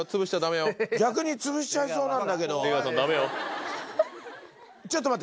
逆につぶしちゃいそうなんだけど。